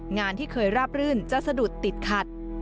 งานที่เคยราบรื่นจะสะดุดติดขัด